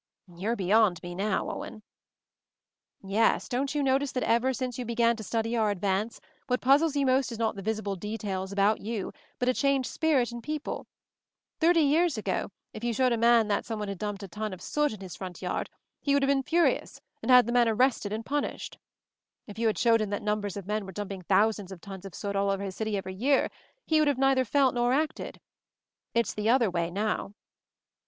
"You're beyond me now, Owen." "Yes; don't you notice that ever since you began to study our advance, what puz zles you most is not the visible details about you, but a changed spirit in people ? Thirty years ago, if you showed a man that some one had dumped a ton of soot in his front yard he would have been furious, and had the man arrested and punished. If you showed him that numbers of men were dumping thousands of tons of soot all over his city every year, he would hiave neither felt nor acted. It's the other way, now."